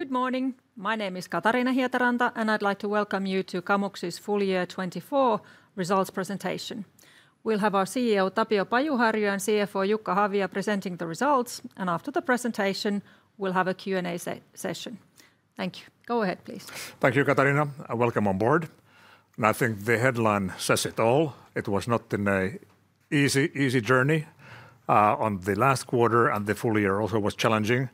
Good morning. My name is Katariina Hietaranta, and I'd like to welcome you to Kamux's full year 2024 results presentation. We'll have our CEO, Tapio Pajuharju, and CFO, Jukka Havia, presenting the results, and after the presentation, we'll have a Q&A session. Thank you. Go ahead, please. Thank you, Katariina. Welcome on board. I think the headline says it all. It was not an easy journey on the last quarter, and the full year also was challenging.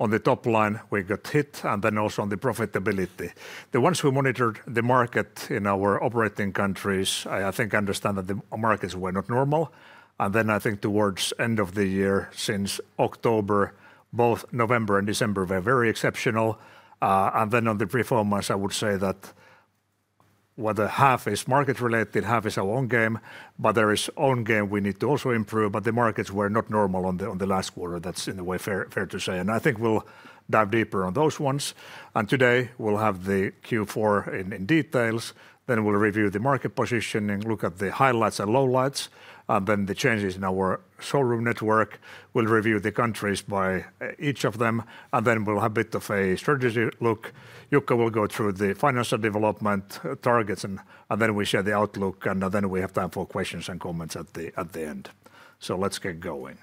On the top line, we got hit, and then also on the profitability. The ones who monitored the market in our operating countries, I think understand that the markets were not normal. I think towards the end of the year, since October, both November and December were very exceptional. On the performance, I would say that what the half is market-related, half is our own game, but there is own game we need to also improve. The markets were not normal on the last quarter. That is in a way fair to say. I think we will dive deeper on those ones. Today we will have the Q4 in details. We will review the market positioning, look at the highlights and lowlights, and then the changes in our showroom network. We will review the countries by each of them, and then we will have a bit of a strategy look. Jukka will go through the financial development targets, and then we share the outlook, and then we have time for questions and comments at the end. Let us get going.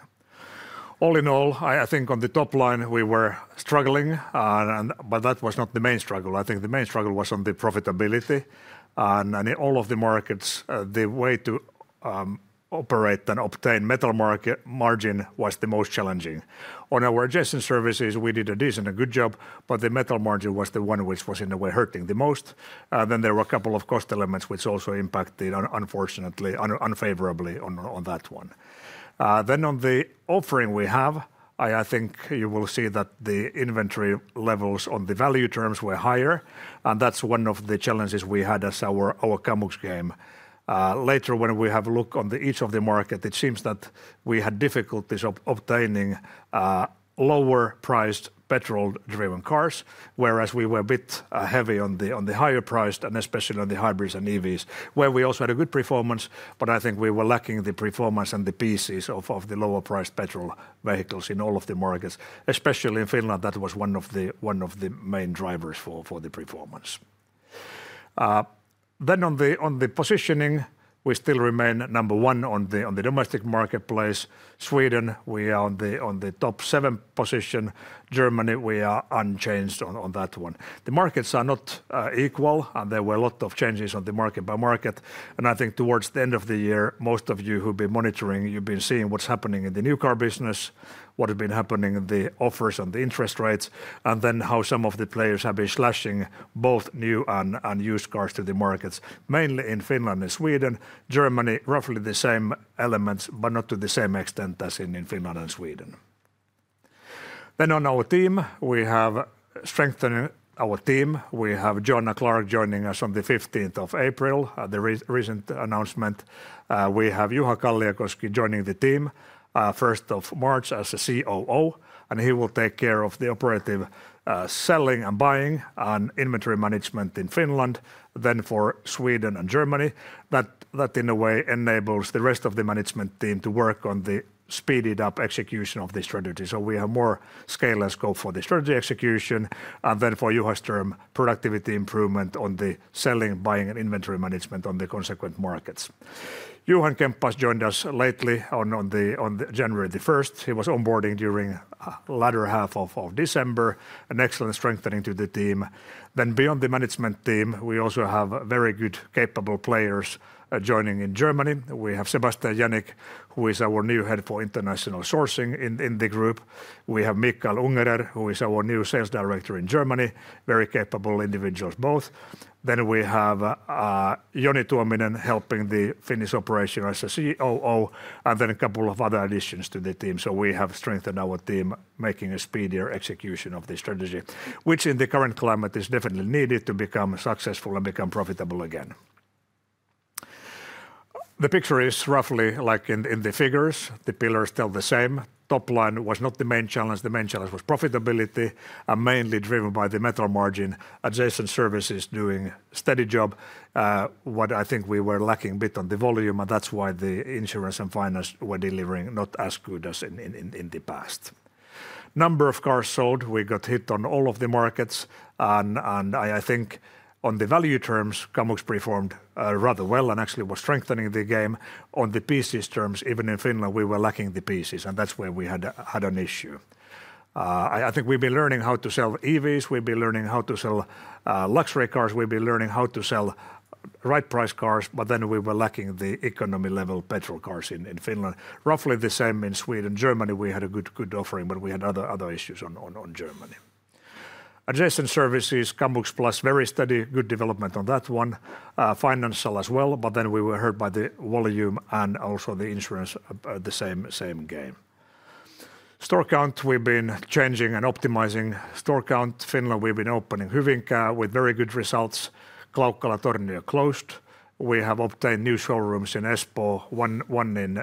All in all, I think on the top line, we were struggling, but that was not the main struggle. I think the main struggle was on the profitability. In all of the markets, the way to operate and obtain metal margin was the most challenging. On our adjacent services, we did a decent and good job, but the metal margin was the one which was in a way hurting the most. There were a couple of cost elements which also impacted, unfortunately, unfavorably on that one. On the offering we have, I think you will see that the inventory levels on the value terms were higher, and that is one of the challenges we had as our Kamux game. Later, when we have a look on each of the markets, it seems that we had difficulties obtaining lower-priced petrol-driven cars, whereas we were a bit heavy on the higher-priced, and especially on the hybrids and EVs, where we also had a good performance, but I think we were lacking the performance and the pieces of the lower-priced petrol vehicles in all of the markets, especially in Finland. That was one of the main drivers for the performance. On the positioning, we still remain number one on the domestic marketplace. Sweden, we are on the top seven position. Germany, we are unchanged on that one. The markets are not equal, and there were a lot of changes on the market by market. I think towards the end of the year, most of you who've been monitoring, you've been seeing what's happening in the new car business, what has been happening in the offers and the interest rates, and how some of the players have been slashing both new and used cars to the markets, mainly in Finland and Sweden. Germany, roughly the same elements, but not to the same extent as in Finland and Sweden. On our team, we have strengthening our team. We have Joanna Clark joining us on the 15th of April, the recent announcement. We have Juha Kalliokoski joining the team 1st of March as COO, and he will take care of the operative selling and buying and inventory management in Finland, then for Sweden and Germany. That in a way enables the rest of the management team to work on the speeded-up execution of the strategy. We have more scale and scope for the strategy execution, and then for Juha's term, productivity improvement on the selling, buying, and inventory management on the consequent markets. Johan Kempas joined us lately on January 1st. He was onboarding during the latter half of December, an excellent strengthening to the team. Beyond the management team, we also have very good capable players joining in Germany. We have Sebastian Janik, who is our new head for international sourcing in the group. We have Michael Ungerer, who is our new Sales Director in Germany, very capable individuals both. We have Joni Tuominen helping the Finnish operation as a COO, and a couple of other additions to the team. We have strengthened our team, making a speedier execution of the strategy, which in the current climate is definitely needed to become successful and become profitable again. The picture is roughly like in the figures. The pillars are still the same. Top line was not the main challenge. The main challenge was profitability, mainly driven by the metal margin. Adjacent services are doing a steady job. What I think we were lacking a bit on the volume, and that's why the insurance and finance were delivering not as good as in the past. Number of cars sold, we got hit on all of the markets. I think on the value terms, Kamux performed rather well and actually was strengthening the game. On the pieces terms, even in Finland, we were lacking the pieces, and that's where we had an issue. I think we've been learning how to sell EVs. We've been learning how to sell luxury cars. We've been learning how to sell right-priced cars, but then we were lacking the economy-level petrol cars in Finland. Roughly the same in Sweden. Germany, we had a good offering, but we had other issues on Germany. Adjacent services, Kamux Plus, very steady, good development on that one. Financial as well, but then we were hurt by the volume and also the insurance, the same game. Store count, we've been changing and optimizing. Store count, Finland, we've been opening Hyvinkää with very good results. Klaukkala and Tornio closed. We have obtained new showrooms in Espoo, one in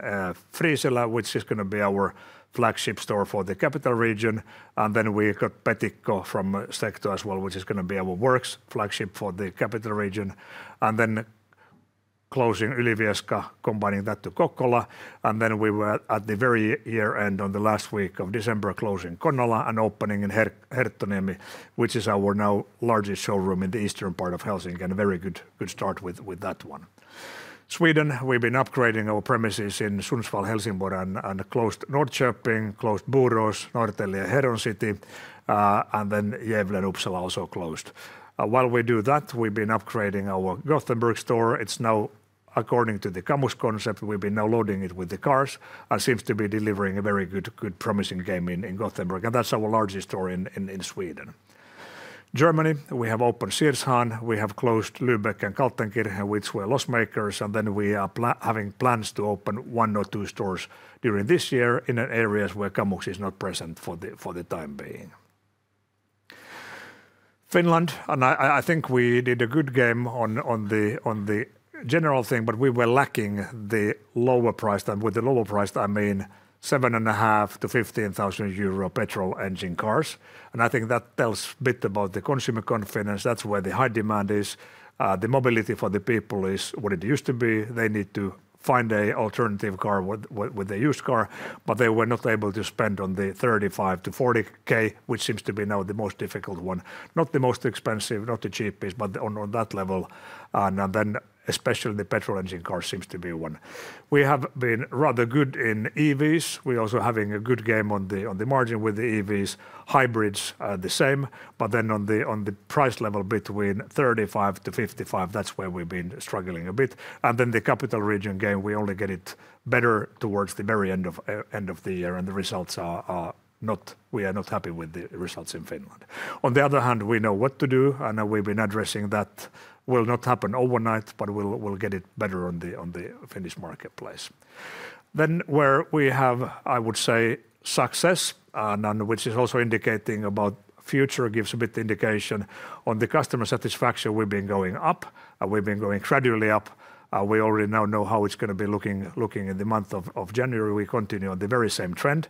Friisilä, which is going to be our flagship store for the capital region. We got Pitäjänmäki from Secto as well, which is going to be our works flagship for the capital region. We are closing Ylivieska, combining that to Kokkola. At the very year-end on the last week of December, we closed Klaukkala and opened in Herttoniemi, which is now our largest showroom in the eastern part of Helsinki. A very good start with that one. In Sweden, we have been upgrading our premises in Sundsvall and Helsingborg, and closed Norrköping, closed Borås, Norrtälje, and Heron City, and then Gävle and Uppsala also closed. While we do that, we have been upgrading our Gothenburg store. Now, according to the Kamux concept, we have been downloading it with the cars and seems to be delivering a very good, promising game in Gothenburg. That is our largest store in Sweden. Germany, we have opened Siegen. We have closed Lübeck and Kaltenkirchen, which were loss-makers. We are having plans to open one or two stores during this year in areas where Kamux is not present for the time being. Finland, and I think we did a good game on the general thing, but we were lacking the lower price. With the lower price, I mean 7,500-15,000 euro petrol engine cars. I think that tells a bit about the consumer confidence. That is where the high demand is. The mobility for the people is what it used to be. They need to find an alternative car with a used car, but they were not able to spend on the 35,000-40,000, which seems to be now the most difficult one. Not the most expensive, not the cheapest, but on that level. Especially the petrol engine car seems to be one. We have been rather good in EVs. We're also having a good game on the margin with the EVs. Hybrids, the same. On the price level between 35,000-55,000, that's where we've been struggling a bit. The capital region game, we only get it better towards the very end of the year, and the results are not, we are not happy with the results in Finland. On the other hand, we know what to do, and we've been addressing that. Will not happen overnight, but we'll get it better on the Finnish marketplace. Then where we have, I would say, success, which is also indicating about future, gives a bit of indication on the customer satisfaction. We've been going up, and we've been going gradually up. We already now know how it's going to be looking in the month of January. We continue on the very same trend.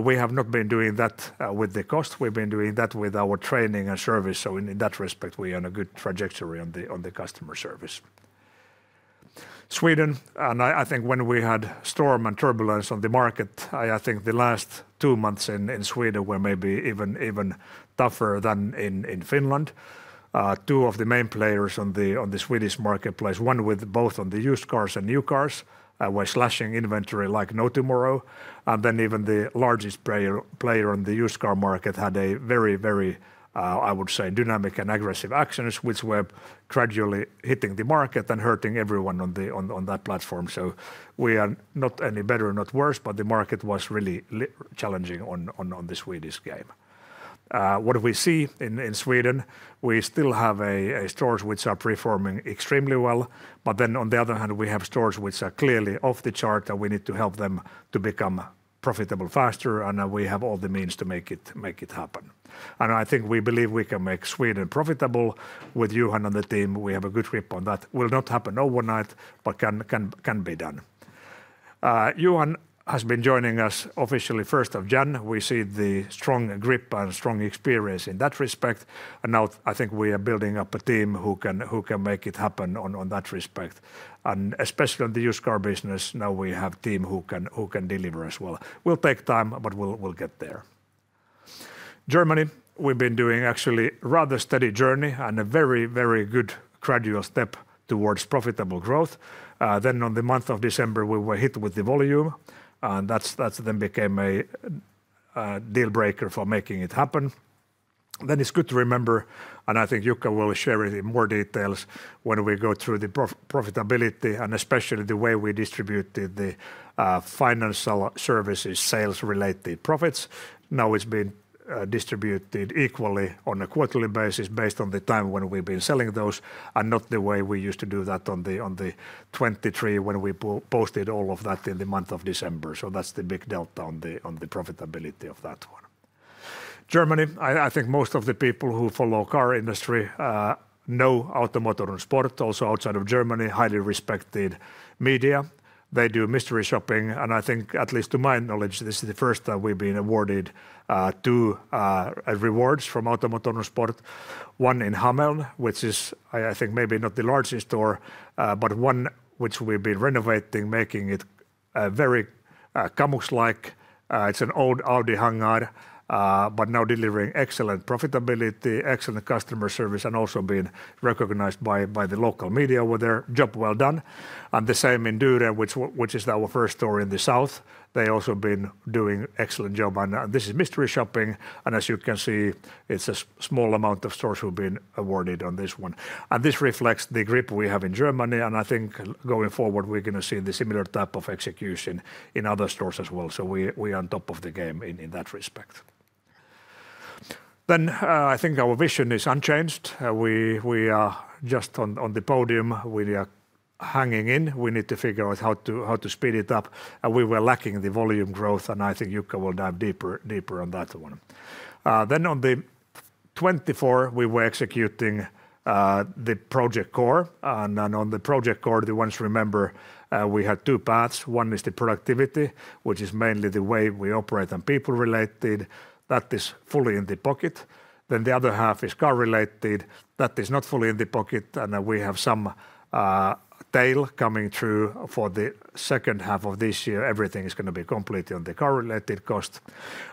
We have not been doing that with the cost. We've been doing that with our training and service. In that respect, we are on a good trajectory on the customer service. Sweden, and I think when we had storm and turbulence on the market, I think the last two months in Sweden were maybe even tougher than in Finland. Two of the main players on the Swedish marketplace, one with both on the used cars and new cars, were slashing inventory like no tomorrow. Even the largest player on the used car market had a very, very, I would say, dynamic and aggressive actions, which were gradually hitting the market and hurting everyone on that platform. We are not any better or not worse, but the market was really challenging on the Swedish game. What we see in Sweden, we still have stores which are performing extremely well, but then on the other hand, we have stores which are clearly off the chart, and we need to help them to become profitable faster, and we have all the means to make it happen. I think we believe we can make Sweden profitable. With Johan on the team, we have a good grip on that. Will not happen overnight, but can be done. Johan has been joining us officially 1st of January. We see the strong grip and strong experience in that respect. I think we are building up a team who can make it happen on that respect. Especially on the used car business, now we have a team who can deliver as well. Will take time, but we'll get there. Germany, we've been doing actually a rather steady journey and a very, very good gradual step towards profitable growth. In the month of December, we were hit with the volume, and that then became a deal breaker for making it happen. It is good to remember, and I think Jukka will share it in more details when we go through the profitability and especially the way we distributed the financial services sales-related profits. Now it's been distributed equally on a quarterly basis based on the time when we've been selling those and not the way we used to do that on the 23rd when we posted all of that in the month of December. That's the big delta on the profitability of that one. Germany, I think most of the people who follow car industry know Auto Motor und Sport, also outside of Germany, highly respected media. They do mystery shopping, and I think at least to my knowledge, this is the first time we've been awarded two rewards from Auto Motor und Sport. One in Hameln, which is, I think, maybe not the largest store, but one which we've been renovating, making it very Kamux-like. It's an old Audi hangar, but now delivering excellent profitability, excellent customer service, and also being recognized by the local media with their job well done. The same in Düren, which is our first store in the south. They have also been doing an excellent job, and this is mystery shopping. As you can see, it is a small amount of stores who have been awarded on this one. This reflects the grip we have in Germany. I think going forward, we are going to see the similar type of execution in other stores as well. We are on top of the game in that respect. I think our vision is unchanged. We are just on the podium. We are hanging in. We need to figure out how to speed it up. We were lacking the volume growth, and I think Jukka will dive deeper on that one. On the 24th, we were executing the Project Core. On the project core, the ones who remember, we had two paths. One is the productivity, which is mainly the way we operate and people-related. That is fully in the pocket. The other half is car-related. That is not fully in the pocket, and we have some tail coming through for the second half of this year. Everything is going to be completely on the car-related cost.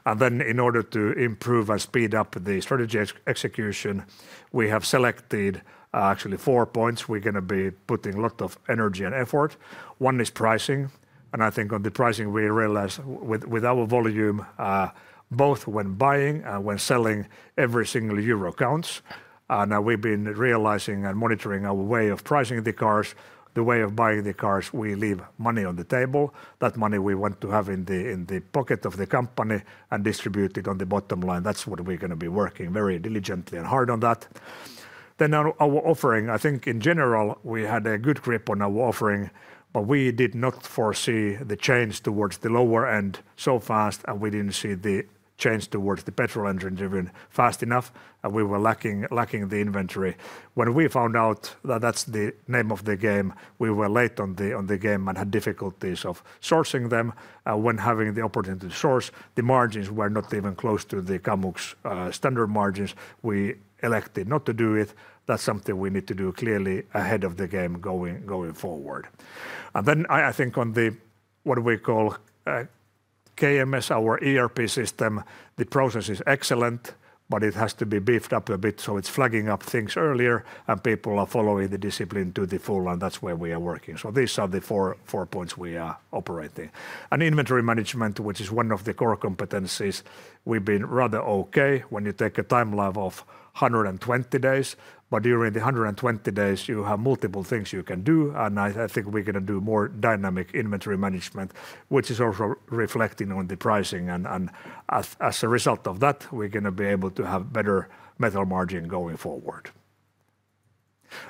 In order to improve and speed up the strategy execution, we have selected actually four points. We're going to be putting a lot of energy and effort. One is pricing. I think on the pricing, we realized with our volume, both when buying and when selling, every single euro counts. We've been realizing and monitoring our way of pricing the cars. The way of buying the cars, we leave money on the table. That money we want to have in the pocket of the company and distribute it on the bottom line. That is what we are going to be working very diligently and hard on. Our offering, I think in general, we had a good grip on our offering, but we did not foresee the change towards the lower end so fast, and we did not see the change towards the petrol engine driven fast enough, and we were lacking the inventory. When we found out that is the name of the game, we were late on the game and had difficulties of sourcing them. When having the opportunity to source, the margins were not even close to the Kamux standard margins. We elected not to do it. That is something we need to do clearly ahead of the game going forward. I think on the what we call KMS, our ERP system, the process is excellent, but it has to be beefed up a bit. It is flagging up things earlier, and people are following the discipline to the full, and that is where we are working. These are the four points we are operating. Inventory management, which is one of the core competencies, we have been rather okay when you take a time lapse of 120 days, but during the 120 days, you have multiple things you can do. I think we are going to do more dynamic inventory management, which is also reflecting on the pricing. As a result of that, we are going to be able to have better metal margin going forward.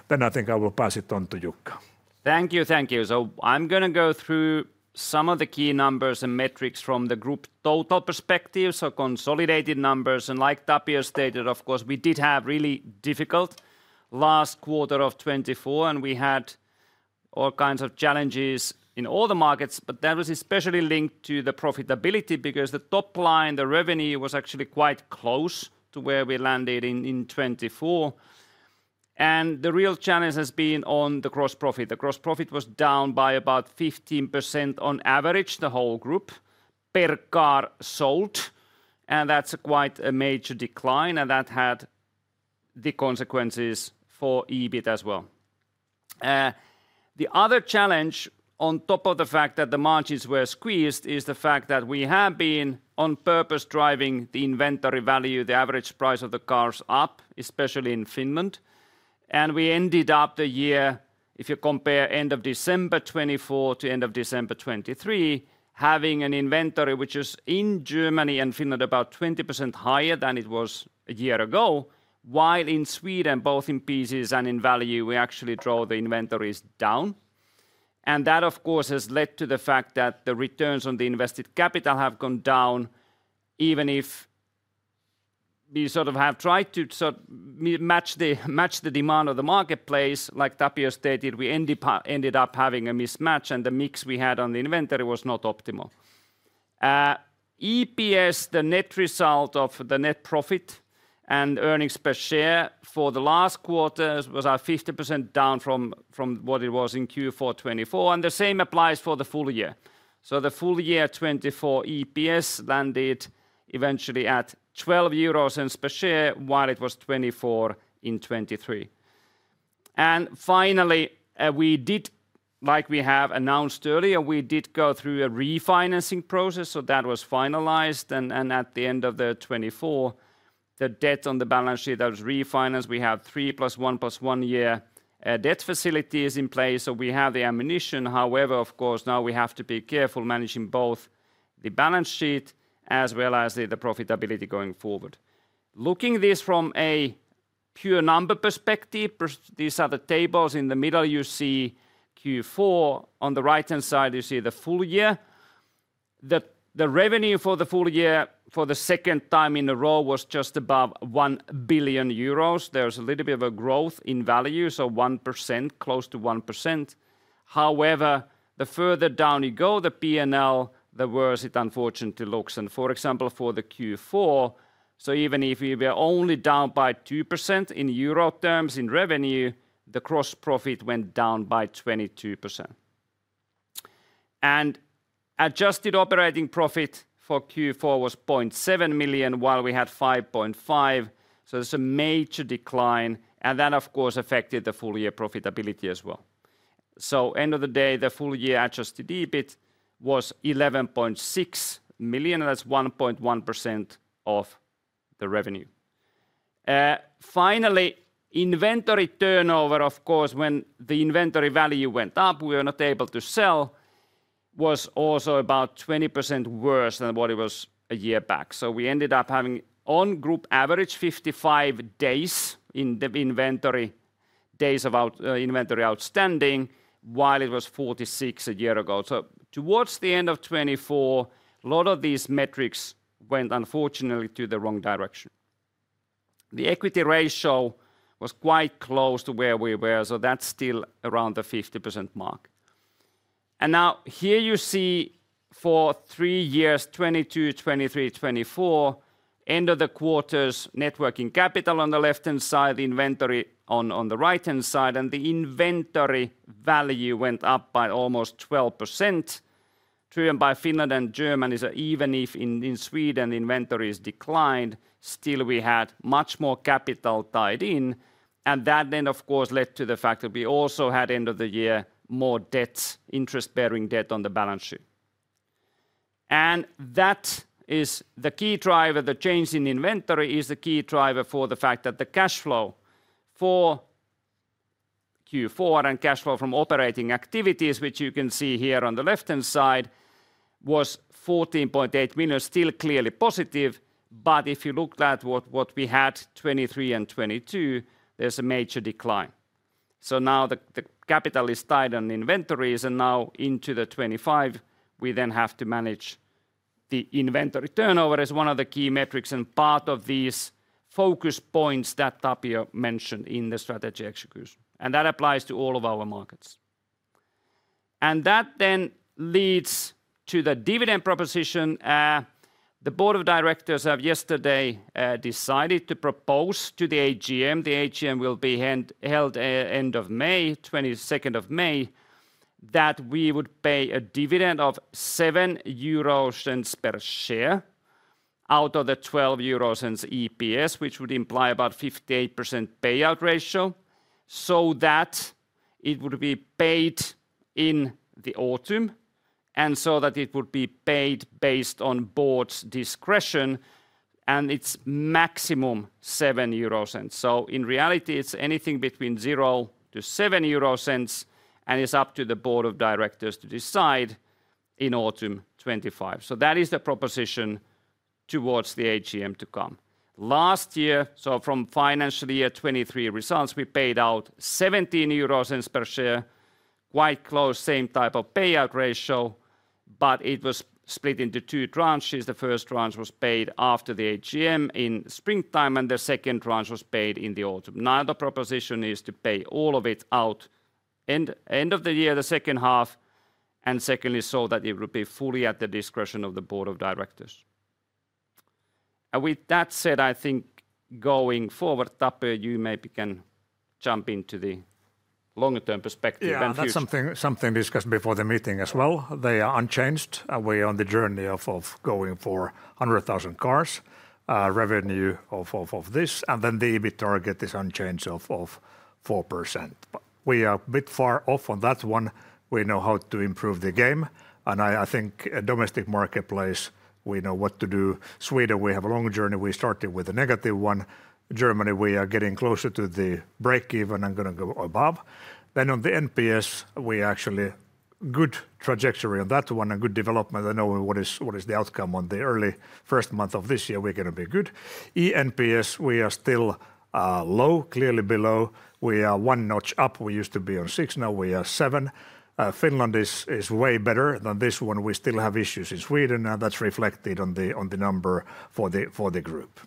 I will pass it on to Jukka. Thank you. Thank you. I'm going to go through some of the key numbers and metrics from the group total perspective. Consolidated numbers, and like Tapio stated, of course, we did have really difficult last quarter of 2024, and we had all kinds of challenges in all the markets, but that was especially linked to the profitability because the top line, the revenue was actually quite close to where we landed in 2024. The real challenge has been on the gross profit. The gross profit was down by about 15% on average, the whole group per car sold, and that's quite a major decline, and that had the consequences for EBIT as well. The other challenge on top of the fact that the margins were squeezed is the fact that we have been on purpose driving the inventory value, the average price of the cars up, especially in Finland. We ended up the year, if you compare end of December 2024 to end of December 2023, having an inventory which is in Germany and Finland about 20% higher than it was a year ago, while in Sweden, both in pieces and in value, we actually draw the inventories down. That, of course, has led to the fact that the returns on the invested capital have gone down, even if we sort of have tried to match the demand of the marketplace. Like Tapio stated, we ended up having a mismatch, and the mix we had on the inventory was not optimal. EPS, the net result of the net profit and earnings per share for the last quarter, was at 50% down from what it was in Q4 2024, and the same applies for the full year. The full year 2024 EPS landed eventually at 0.12 euros per share while it was 0.24 in 2023. Finally, we did, like we have announced earlier, go through a refinancing process, so that was finalized. At the end of 2024, the debt on the balance sheet that was refinanced, we have three-plus-one-plus-one year debt facilities in place, so we have the ammunition. However, of course, now we have to be careful managing both the balance sheet as well as the profitability going forward. Looking at this from a pure number perspective, these are the tables. In the middle, you see Q4. On the right-hand side, you see the full year. The revenue for the full year for the second time in a row was just above 1 billion euros. There was a little bit of a growth in value, so 1%, close to 1%. However, the further down you go, the P&L, the worse it unfortunately looks. For example, for the Q4, even if we were only down by 2% in EUR terms in revenue, the gross profit went down by 22%. Adjusted operating profit for Q4 was 0.7 million while we had 5.5 million. There is a major decline, and that, of course, affected the full year profitability as well. End of the day, the full year adjusted EBIT was 11.6 million, and that's 1.1% of the revenue. Finally, inventory turnover, of course, when the inventory value went up, we were not able to sell, was also about 20% worse than what it was a year back. We ended up having on group average 55 days in the inventory, days of inventory outstanding, while it was 46 a year ago. Towards the end of 2024, a lot of these metrics went unfortunately to the wrong direction. The equity ratio was quite close to where we were, so that is still around the 50% mark. Now here you see for three years, 2022, 2023, 2024, end of the quarters, net working capital on the left-hand side, inventory on the right-hand side, and the inventory value went up by almost 12%. Driven by Finland and Germany, even if in Sweden inventories declined, still we had much more capital tied in. That then, of course, led to the fact that we also had end of the year more debts, interest-bearing debt on the balance sheet. That is the key driver. The change in inventory is the key driver for the fact that the cash flow for Q4 and cash flow from operating activities, which you can see here on the left-hand side, was 14.8 million, still clearly positive. If you looked at what we had in 2023 and 2022, there is a major decline. Now the capital is tied on inventories, and now into 2025, we then have to manage the inventory turnover as one of the key metrics and part of these focus points that Tapio mentioned in the strategy execution. That applies to all of our markets. That then leads to the dividend proposition. The board of directors have yesterday decided to propose to the AGM. The AGM will be held end of May, 22nd of May, that we would pay a dividend of 7 euro per share out of the 12 euro as EPS, which would imply about 58% payout ratio, so that it would be paid in the autumn and so that it would be paid based on board's discretion and its maximum 7 euro. In reality, it's anything between 0-EUR 7 and is up to the board of directors to decide in autumn 2025. That is the proposition towards the AGM to come. Last year, so from financial year 2023 results, we paid out 17 euros per share, quite close, same type of payout ratio, but it was split into two tranches. The first tranche was paid after the AGM in springtime, and the second tranche was paid in the autumn. Now the proposition is to pay all of it out end of the year, the second half, and secondly so that it would be fully at the discretion of the board of directors. With that said, I think going forward, Tapio, you maybe can jump into the longer-term perspective. Yeah, that's something discussed before the meeting as well. They are unchanged. We are on the journey of going for 100,000 cars, revenue of this, and then the EBIT target is unchanged of 4%. We are a bit far off on that one. We know how to improve the game. I think domestic marketplace, we know what to do. Sweden, we have a long journey. We started with a negative one. Germany, we are getting closer to the breakeven and going to go above. On the NPS, we actually good trajectory on that one and good development. I know what is the outcome on the early first month of this year. We're going to be good. Employee NPS, we are still low, clearly below. We are one notch up. We used to be on six. Now we are seven. Finland is way better than this one. We still have issues in Sweden, and that's reflected on the number for the group.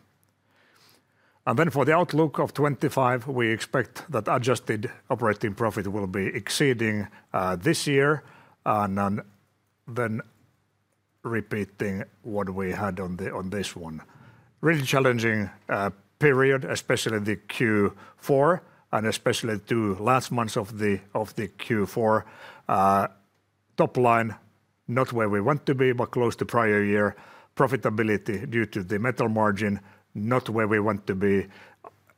For the outlook of 2025, we expect that adjusted operating profit will be exceeding this year, and then repeating what we had on this one. Really challenging period, especially the Q4, and especially two last months of the Q4. Top line, not where we want to be, but close to prior year. Profitability due to the metal margin, not where we want to be.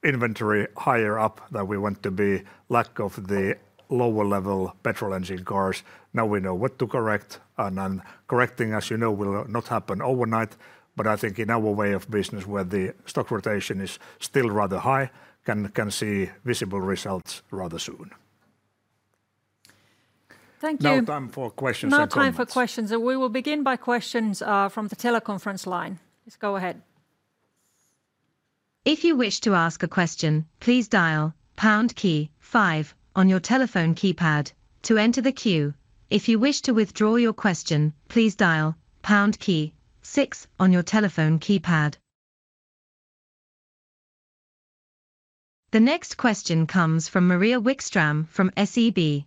Inventory higher up than we want to be. Lack of the lower-level petrol engine cars. Now we know what to correct Correcting, as you know, will not happen overnight, but I think in our way of business where the stock rotation is still rather high, can see visible results rather soon. Thank you. No time for questions. No time for questions. We will begin by questions from the teleconference line. Let's go ahead. If you wish to ask a question, please dial pound key five on your telephone keypad to enter the queue. If you wish to withdraw your question, please dial pound key six on your telephone keypad. The next question comes from Maria Wikström from SEB.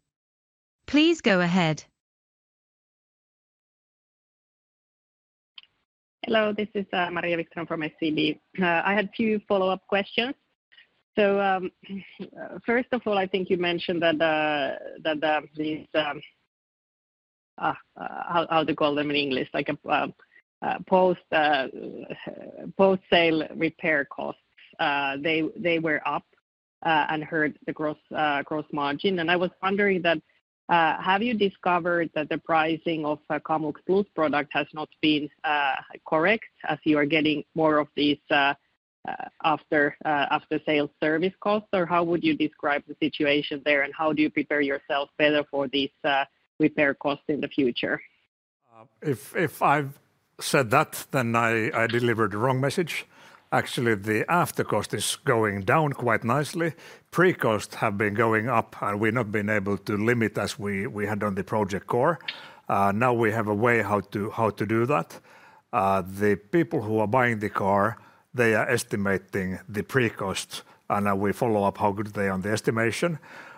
Please go ahead. Hello, this is Maria Wikström from SEB. I had a few follow-up questions. First of all, I think you mentioned that these—how to call them in English?—like post-sale repair costs, they were up and hurt the gross margin. I was wondering, have you discovered that the pricing of Kamux Plus product has not been correct as you are getting more of these after-sale service costs? Or how would you describe the situation there, and how do you prepare yourself better for these repair costs in the future? If I've said that, then I delivered the wrong message. Actually, the after cost is going down quite nicely. Pre-cost have been going up, and we've not been able to limit as we had on the project core. Now we have a way how to do that. The people who are buying the car, they are estimating the pre-cost, and we follow up how good they are on the estimation.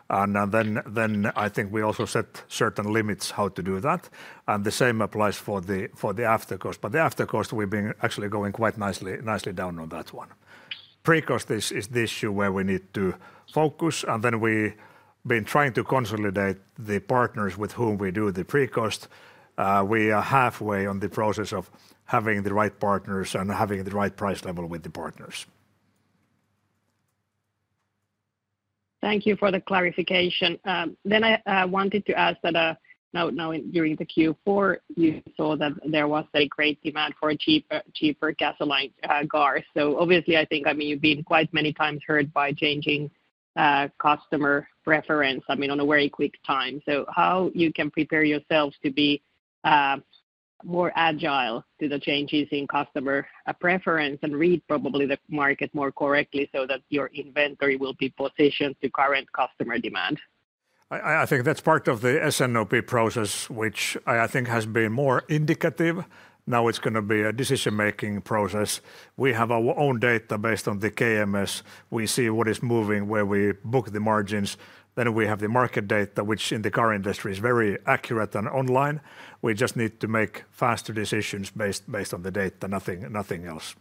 I think we also set certain limits how to do that. The same applies for the after cost. But the after cost, we've been actually going quite nicely down on that one. Pre-cost is the issue where we need to focus, and then we've been trying to consolidate the partners with whom we do the pre-cost. We are halfway on the process of having the right partners and having the right price level with the partners. Thank you for the clarification. I wanted to ask that now during the Q4, you saw that there was a great demand for cheaper gasoline cars. Obviously, I think you've been quite many times hurt by changing customer preference, I mean, on a very quick time. How you can prepare yourself to be more agile to the changes in customer preference and read probably the market more correctly so that your inventory will be positioned to current customer demand? I think that's part of the S&OP process, which I think has been more indicative. Now it's going to be a decision-making process. We have our own data based on the KMS. We see what is moving, where we book the margins. Then we have the market data, which in the car industry is very accurate and online. We just need to make faster decisions based on the data, nothing else.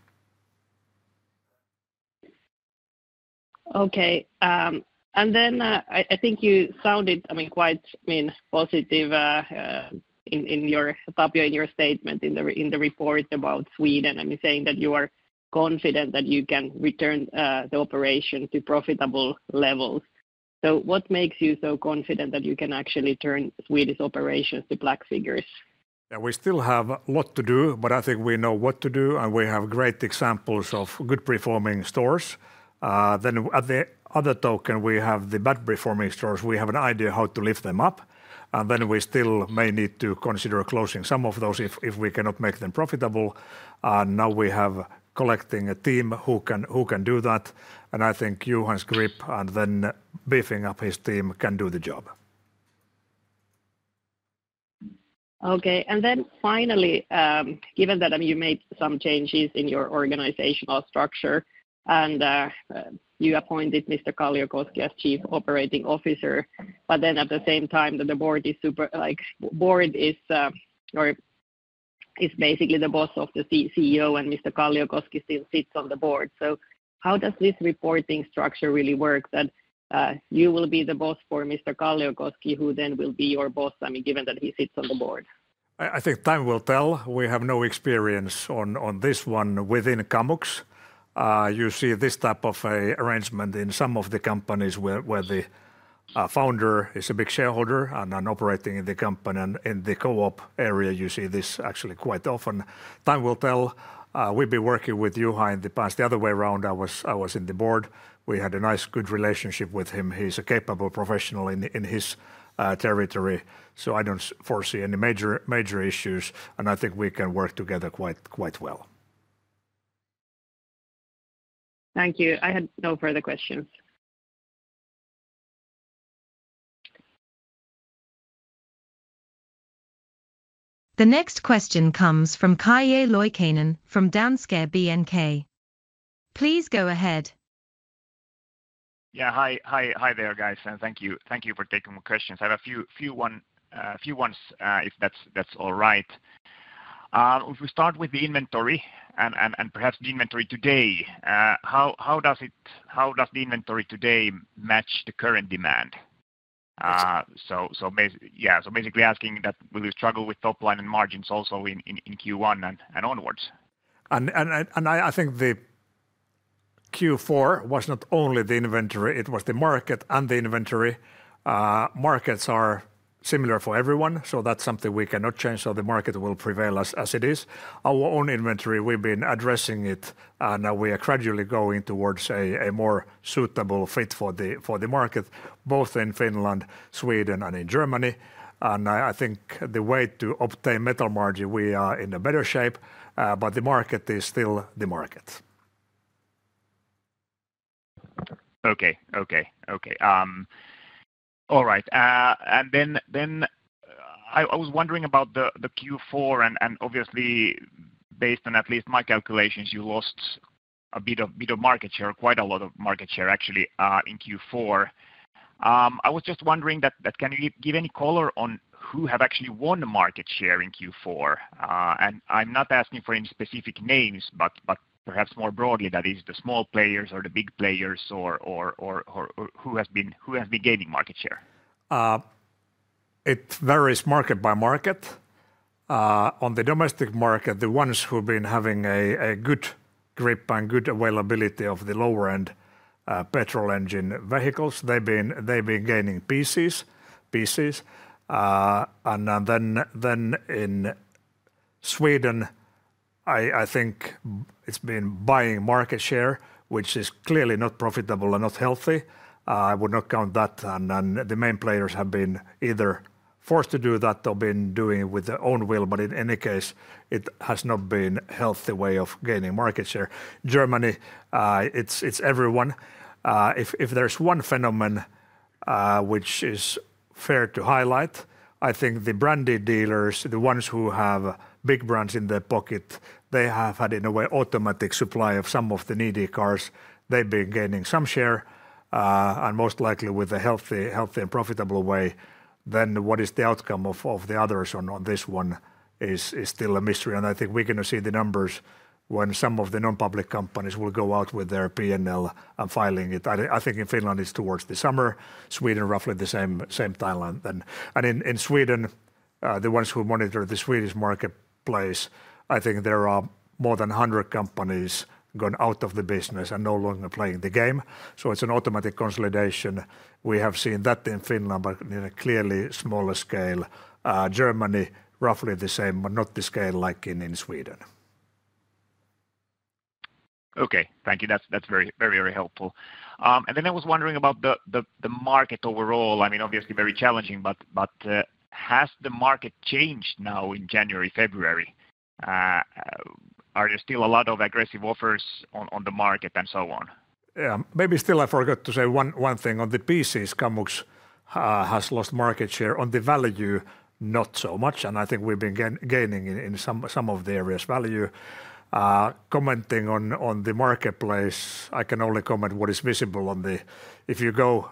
Okay. I think you sounded quite positive in your statement in the report about Sweden, saying that you are confident that you can return the operation to profitable levels. What makes you so confident that you can actually turn Swedish operations to black figures? Yeah, we still have a lot to do, but I think we know what to do, and we have great examples of good performing stores. At the other token, we have the bad performing stores. We have an idea how to lift them up, and we still may need to consider closing some of those if we cannot make them profitable. Now we have collecting a team who can do that. I think Johan's grip and then beefing up his team can do the job. Okay. Finally, given that you made some changes in your organizational structure and you appointed Mr. Kalliokoski as Chief Operating Officer, but at the same time the board is basically the boss of the CEO and Mr. Kalliokoski still sits on the board. How does this reporting structure really work that you will be the boss for Mr. Kalliokoski, who then will be your boss, given that he sits on the board? I think time will tell. We have no experience on this one within Kamux. You see this type of arrangement in some of the companies where the founder is a big shareholder and operating in the company. In the co-op area, you see this actually quite often. Time will tell. We've been working with Juha in the past. The other way around, I was in the board. We had a nice good relationship with him. He's a capable professional in his territory. I don't foresee any major issues, and I think we can work together quite well. Thank you. I had no further questions. The next question comes from Calle Loikkanen from Danske Bank. Please go ahead. Yeah, hi there, guys. Thank you for taking my questions. I have a few ones, if that's all right. If we start with the inventory and perhaps the inventory today, how does the inventory today match the current demand? Basically asking that, will you struggle with top line and margins also in Q1 and onwards? I think the Q4 was not only the inventory. It was the market and the inventory. Markets are similar for everyone, so that's something we cannot change. The market will prevail as it is. Our own inventory, we've been addressing it, and we are gradually going towards a more suitable fit for the market, both in Finland, Sweden, and in Germany. I think the way to obtain metal margin, we are in a better shape, but the market is still the market. Okay, okay, okay. All right. I was wondering about the Q4, and obviously, based on at least my calculations, you lost a bit of market share, quite a lot of market share actually in Q4. I was just wondering that can you give any color on who have actually won the market share in Q4? I'm not asking for any specific names, but perhaps more broadly, that is the small players or the big players or who has been gaining market share? It varies market by market. On the domestic market, the ones who've been having a good grip and good availability of the lower-end petrol engine vehicles, they've been gaining pieces. In Sweden, I think it's been buying market share, which is clearly not profitable and not healthy. I would not count that. The main players have been either forced to do that or been doing it with their own will. In any case, it has not been a healthy way of gaining market share. Germany, it's everyone. If there's one phenomenon which is fair to highlight, I think the branded dealers, the ones who have big brands in their pocket, they have had, in a way, automatic supply of some of the needy cars. They've been gaining some share, and most likely with a healthy and profitable way. What is the outcome of the others on this one is still a mystery. I think we're going to see the numbers when some of the non-public companies will go out with their P&L and filing it. I think in Finland it's towards the summer. Sweden, roughly the same timeline. In Sweden, the ones who monitor the Swedish marketplace, I think there are more than 100 companies gone out of the business and no longer playing the game. It is an automatic consolidation. We have seen that in Finland, but clearly smaller scale. Germany, roughly the same, but not the scale like in Sweden. Okay, thank you. That is very, very helpful. I was wondering about the market overall. I mean, obviously very challenging, but has the market changed now in January, February? Are there still a lot of aggressive offers on the market and so on? Yeah, maybe still I forgot to say one thing. On the pieces, Kamux has lost market share. On the value, not so much. I think we have been gaining in some of the areas' value. Commenting on the marketplace, I can only comment what is visible on the—if you go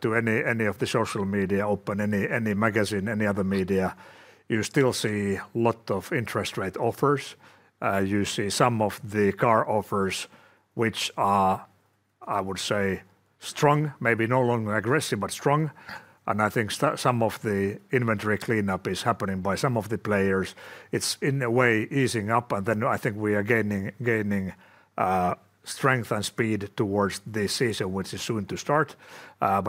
to any of the social media, open any magazine, any other media, you still see lots of interest rate offers. You see some of the car offers, which are, I would say, strong, maybe no longer aggressive, but strong. I think some of the inventory cleanup is happening by some of the players. It is in a way easing up. I think we are gaining strength and speed towards the season, which is soon to start.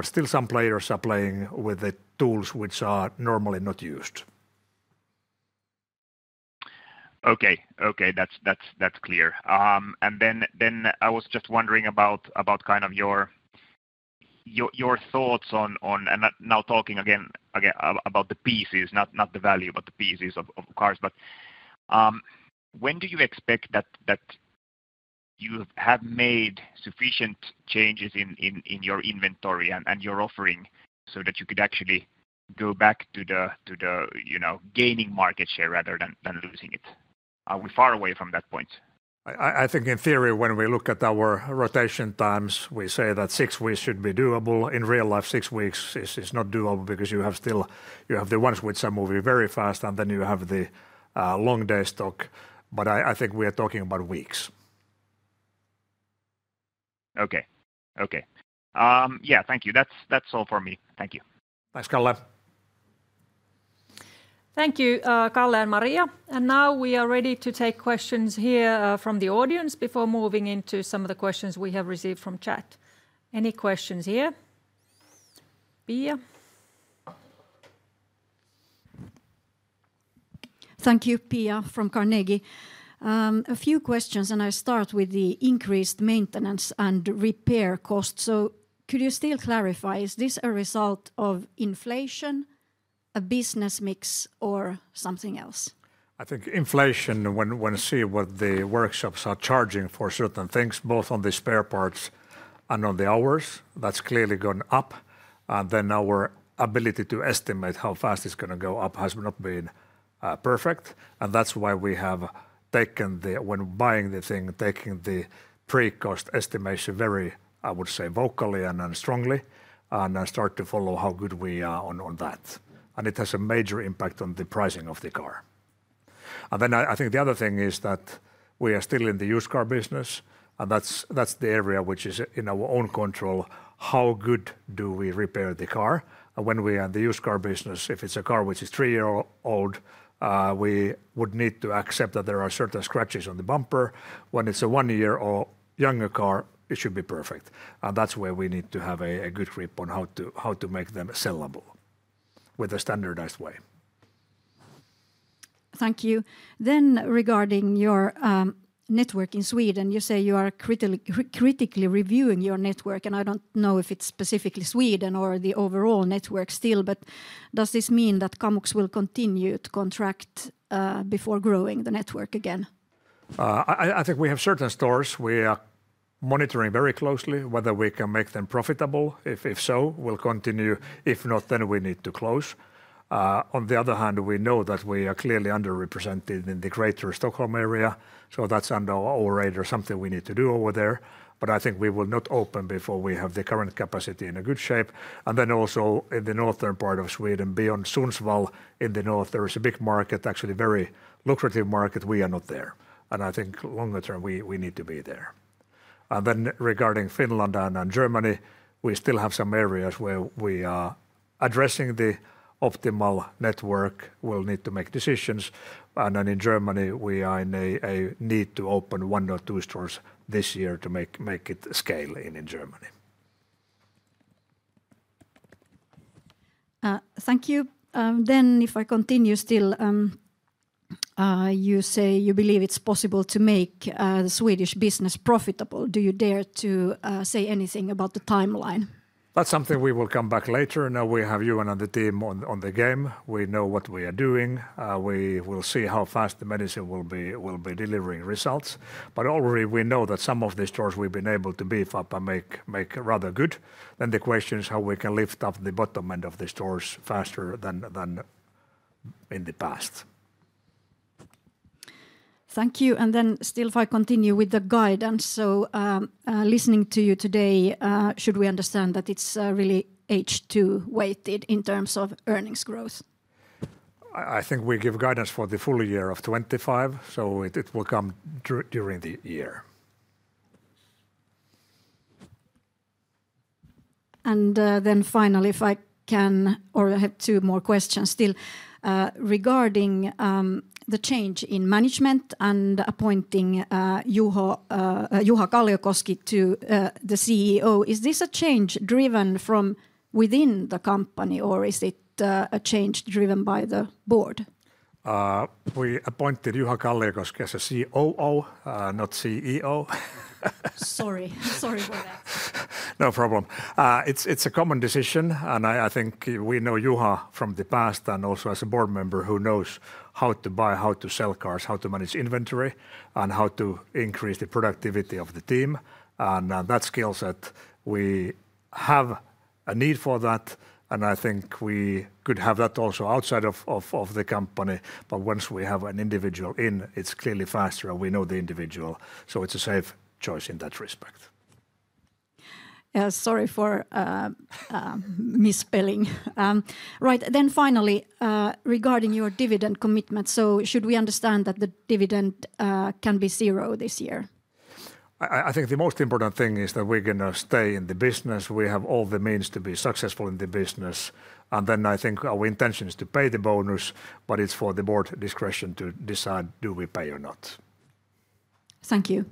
Still some players are playing with the tools which are normally not used. Okay, okay, that is clear. I was just wondering about kind of your thoughts on—and now talking again about the pieces, not the value, but the pieces of cars. When do you expect that you have made sufficient changes in your inventory and your offering so that you could actually go back to gaining market share rather than losing it? Are we far away from that point? I think in theory, when we look at our rotation times, we say that six weeks should be doable. In real life, six weeks is not doable because you have the ones which are moving very fast, and then you have the long-day stock. I think we are talking about weeks. Okay, okay. Yeah, thank you. That's all for me. Thank you. Thanks, Calle. Thank you, Calle and Maria. Now we are ready to take questions here from the audience before moving into some of the questions we have received from chat. Any questions here? Pia? Thank you, Pia from Carnegie. A few questions, and I'll start with the increased maintenance and repair costs. Could you still clarify, is this a result of inflation, a business mix, or something else? I think inflation, when I see what the workshops are charging for certain things, both on the spare parts and on the hours, that's clearly gone up. Our ability to estimate how fast it's going to go up has not been perfect. That's why we have taken the, when buying the thing, taking the pre-cost estimation very, I would say, vocally and strongly, and start to follow how good we are on that. It has a major impact on the pricing of the car. I think the other thing is that we are still in the used car business, and that's the area which is in our own control. How good do we repair the car? When we are in the used car business, if it's a car which is three years old, we would need to accept that there are certain scratches on the bumper. When it's a one-year-old younger car, it should be perfect. That is where we need to have a good grip on how to make them sellable with a standardized way. Thank you. Regarding your network in Sweden, you say you are critically reviewing your network, and I don't know if it's specifically Sweden or the overall network still, but does this mean that Kamux will continue to contract before growing the network again? I think we have certain stores we are monitoring very closely, whether we can make them profitable. If so, we'll continue. If not, then we need to close. On the other hand, we know that we are clearly underrepresented in the greater Stockholm area, so that's under our radar, something we need to do over there. I think we will not open before we have the current capacity in a good shape. Also, in the northern part of Sweden, beyond Sundsvall in the north, there is a big market, actually a very lucrative market. We are not there. I think longer term, we need to be there. Regarding Finland and Germany, we still have some areas where we are addressing the optimal network. We'll need to make decisions. In Germany, we are in a need to open one or two stores this year to make it scale in Germany. Thank you. If I continue still, you say you believe it's possible to make the Swedish business profitable. Do you dare to say anything about the timeline? That is something we will come back to later. Now we have you and the team on the game. We know what we are doing. We will see how fast the medicine will be delivering results. Already we know that some of the stores we have been able to beef up and make rather good. The question is how we can lift up the bottom end of the stores faster than in the past. Thank you. If I continue with the guidance, listening to you today, should we understand that it is really H2 weighted in terms of earnings growth? I think we give guidance for the full year of 2025, so it will come during the year. Finally, if I can, I have two more questions still. Regarding the change in management and appointing Juha Kalliokoski to the CEO, is this a change driven from within the company or is it a change driven by the board? We appointed Juha Kalliokoski as a COO, not CEO. Sorry, sorry for that. No problem. It's a common decision. I think we know Juha from the past and also as a board member who knows how to buy, how to sell cars, how to manage inventory, and how to increase the productivity of the team. That skill set, we have a need for that. I think we could have that also outside of the company. Once we have an individual in, it's clearly faster and we know the individual. It's a safe choice in that respect. Sorry for misspelling. Right, then finally, regarding your dividend commitment, should we understand that the dividend can be zero this year? I think the most important thing is that we're going to stay in the business. We have all the means to be successful in the business. I think our intention is to pay the bonus, but it is for the board discretion to decide do we pay or not. Thank you.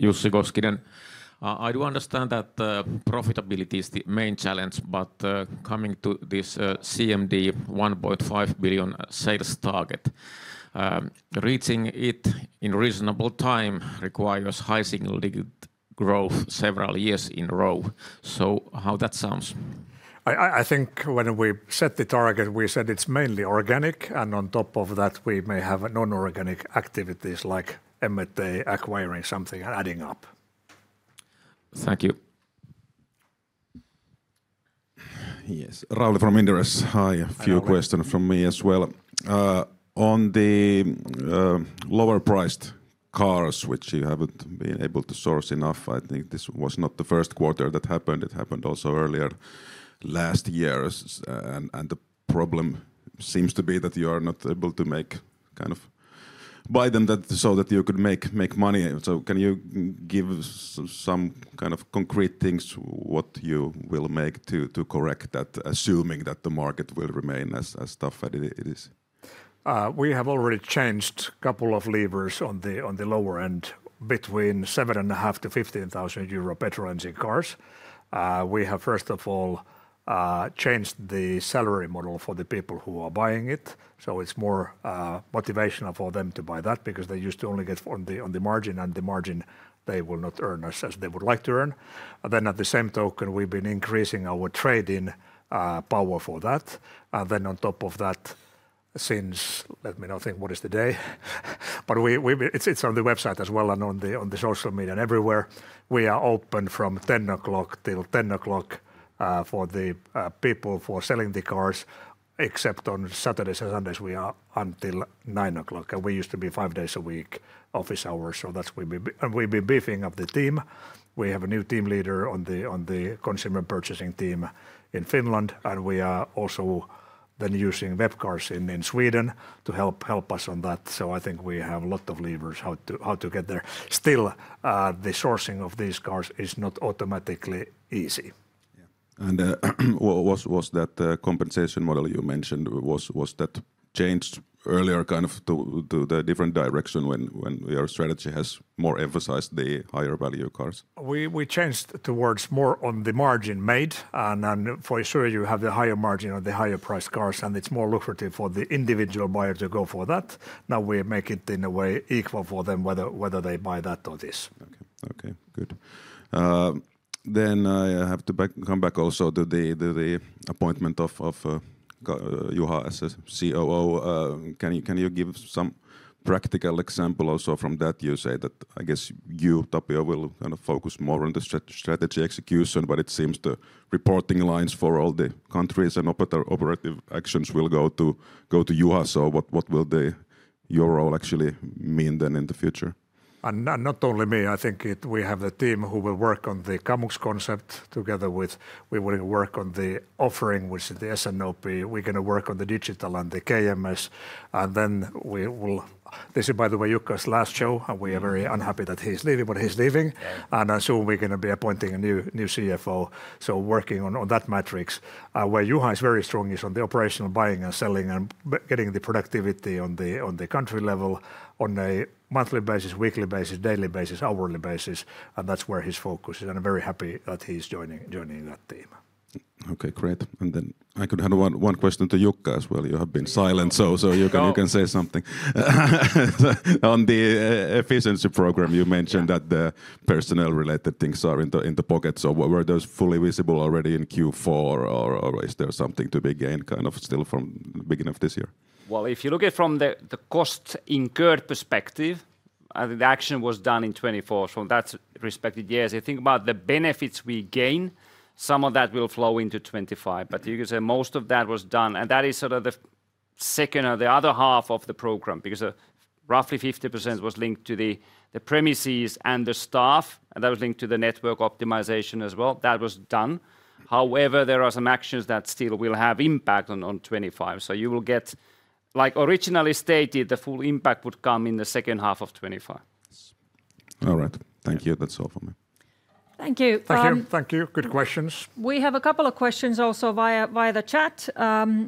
Jussi Koskinen. I do understand that profitability is the main challenge, but coming to this CMD 1.5 billion sales target, reaching it in reasonable time requires high signal growth several years in a row. How does that sound? I think when we set the target, we said it is mainly organic. On top of that, we may have non-organic activities like M&A, acquiring something and adding up. Thank you. Yes, Rauli from Inderes. Hi, a few questions from me as well. On the lower-priced cars, which you have not been able to source enough, I think this was not the first quarter that happened. It happened also earlier last year. The problem seems to be that you are not able to kind of buy them so that you could make money. Can you give some kind of concrete things what you will make to correct that, assuming that the market will remain as tough as it is? We have already changed a couple of levers on the lower end between 7,500-15,000 euro petrol engine cars. We have, first of all, changed the salary model for the people who are buying it. It is more motivational for them to buy that because they used to only get on the margin, and the margin they will not earn as they would like to earn. At the same token, we have been increasing our trading power for that. On top of that, since, let me not think what is the day, but it is on the website as well and on the social media and everywhere, we are open from 10:00 A.M. till 10:00 P.M. for the people who are selling the cars, except on Saturdays and Sundays we are until 9:00 P.M. We used to be five days a week office hours. That is where we have been beefing up the team. We have a new team leader on the consumer purchasing team in Finland. We are also then using Webcars in Sweden to help us on that. I think we have a lot of levers how to get there. Still, the sourcing of these cars is not automatically easy. Was that compensation model you mentioned, was that changed earlier kind of to the different direction when your strategy has more emphasized the higher value cars? We changed towards more on the margin made. For sure, you have the higher margin on the higher priced cars, and it's more lucrative for the individual buyer to go for that. Now we make it in a way equal for them whether they buy that or this. Okay, okay, good. I have to come back also to the appointment of Juha as a COO. Can you give some practical example also from that? You say that I guess you, Tapio, will kind of focus more on the strategy execution, but it seems the reporting lines for all the countries and operative actions will go to Juha. What will your role actually mean then in the future? Not only me, I think we have a team who will work on the Kamux concept together with, we will work on the offering, which is the S&OP. We are going to work on the digital and the KMS. This is by the way, Jukka's last show, and we are very unhappy that he's leaving, but he's leaving. Soon we are going to be appointing a new CFO. Working on that matrix. Where Juha is very strong is on the operational buying and selling and getting the productivity on the country level on a monthly basis, weekly basis, daily basis, hourly basis. That is where his focus is. I am very happy that he is joining that team. Okay, great. I could have one question to Jukka as well. You have been silent, so you can say something. On the efficiency program, you mentioned that the personnel-related things are in the pocket. Were those fully visible already in Q4, or is there something to be gained kind of still from the beginning of this year? If you look at it from the cost-incurred perspective, I think the action was done in 2024. That is respected, yes. If you think about the benefits we gain, some of that will flow into 2025. You can say most of that was done. That is sort of the second or the other half of the program because roughly 50% was linked to the premises and the staff. That was linked to the network optimization as well. That was done. However, there are some actions that still will have impact on 2025. You will get, like originally stated, the full impact would come in the second half of 2025. All right. Thank you. That's all for me. Thank you. Thank you. Good questions. We have a couple of questions also via the chat. I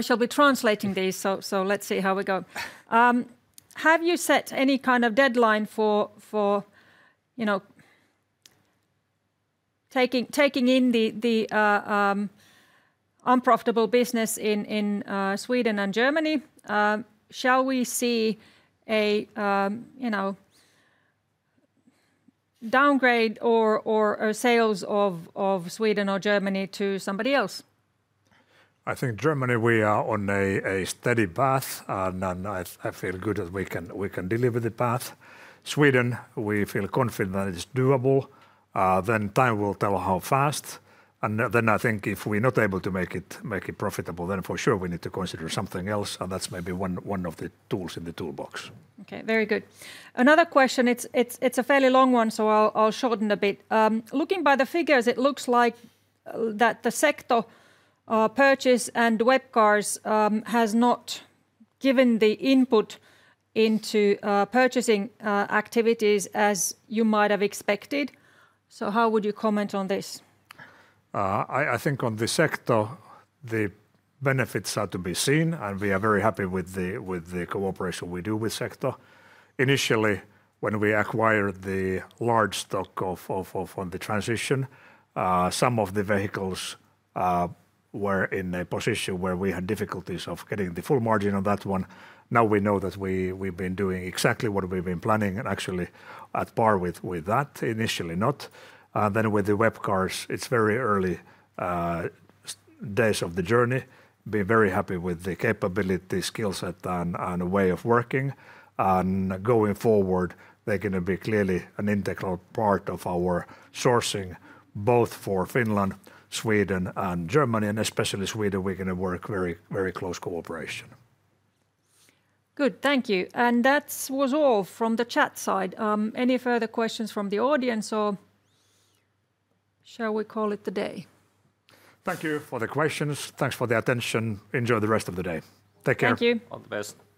shall be translating these, so let's see how we go. Have you set any kind of deadline for taking in the unprofitable business in Sweden and Germany? Shall we see a downgrade or sales of Sweden or Germany to somebody else? I think Germany, we are on a steady path. I feel good that we can deliver the path. Sweden, we feel confident that it's doable. Time will tell how fast. I think if we're not able to make it profitable, for sure we need to consider something else. That is maybe one of the tools in the toolbox. Okay, very good. Another question. It's a fairly long one, so I'll shorten a bit. Looking by the figures, it looks like that the Secto purchase and Webcars has not given the input into purchasing activities as you might have expected. How would you comment on this? I think on the Secto, the benefits are to be seen. We are very happy with the cooperation we do with Secto. Initially, when we acquired the large stock on the transition, some of the vehicles were in a position where we had difficulties of getting the full margin on that one. Now we know that we've been doing exactly what we've been planning and actually at par with that, initially not. With the Webcars, it's very early days of the journey. Be very happy with the capability, skill set, and way of working. Going forward, they're going to be clearly an integral part of our sourcing both for Finland, Sweden, and Germany. Especially Sweden, we're going to work very close cooperation. Good, thank you. That was all from the chat side. Any further questions from the audience, or shall we call it today? Thank you for the questions. Thanks for the attention. Enjoy the rest of the day. Take care. Thank you. All the best.